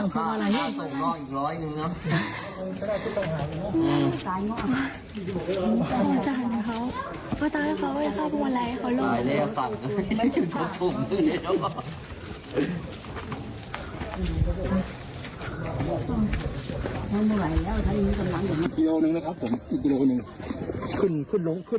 ๑พิโลกรัมหนึ่งขึ้นลง๑๕พิโลกรัม